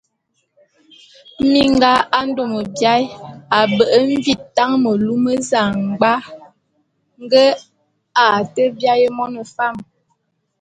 Minga a ndôme biaé a mbe’e mvin tañ melu zañbwa nge a te biaé mona fam.